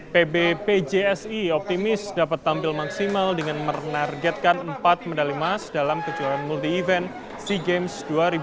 pbpjsi optimis dapat tampil maksimal dengan menargetkan empat medali emas dalam kejuaraan multi event sea games dua ribu dua puluh